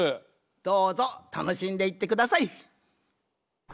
どうぞたのしんでいってください。